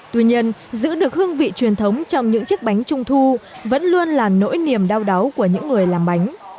tuy nhiên giữ được hương vị truyền thống trong những chiếc bánh trung thu vẫn luôn là nỗi niềm đau đáu của những người làm bánh